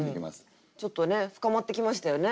ちょっとね深まってきましたよね